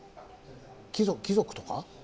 貴族とか？